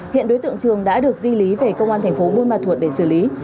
hiện đối tượng trường đã được di lý về công an thành phố bùn ma thuật để xử lý